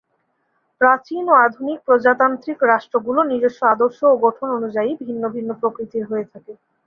প্রাচীন ও আধুনিক প্রজাতান্ত্রিক রাষ্ট্রগুলি নিজস্ব আদর্শ ও গঠন অনুযায়ী ভিন্ন ভিন্ন প্রকৃতির হয়ে থাকে।